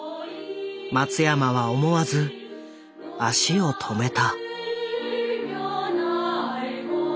松山は思わず足を止めた。